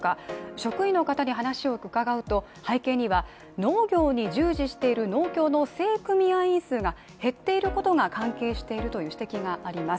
職員の方に話を伺うと、背景には農業に従事している農協の正組合員数が減っていることが関係しているという指摘があります。